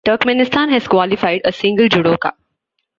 Turkmenistan has qualified a single judoka.